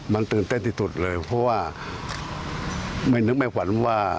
มันตื่นเต้นที่สุดเลยเพราะว่าไม่นึกไม่ขวัญว่า